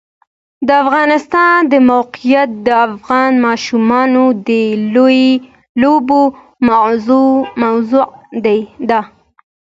د افغانستان د موقعیت د افغان ماشومانو د لوبو موضوع ده.